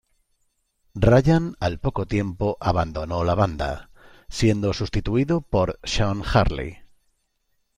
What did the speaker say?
Ryan al poco tiempo abandonó la banda, siendo sustituido por Sean Hurley.